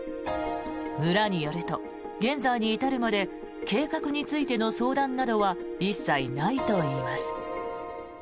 村によると現在に至るまで計画についての相談などは一切ないといいます。